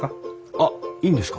あっいいんですか？